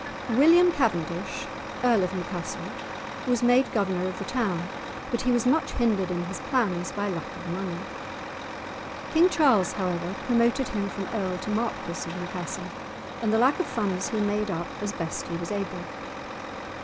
William Cavendish, Earl of Newcastle, was made governor of the town, but he was much hindered in his plans by lack of money. King Charles, however, promoted him from Earl to Marquis of Newcastle, and the lack of funds he made up as best he was able.